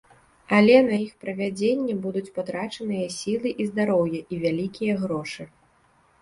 Але на іх правядзенне будуць патрачаныя і сілы, і здароўе, і вялікія грошы.